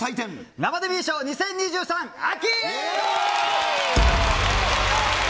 生デミー賞２０２３秋。